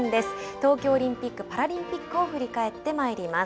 東京オリンピック・パラリンピックを振り返ってまいります。